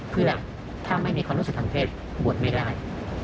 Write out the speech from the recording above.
เพื่อถ้าไม่มีความรู้สึกทางเพศบวชไม่ได้